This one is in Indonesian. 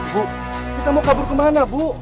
bu kita mau kabur kemana bu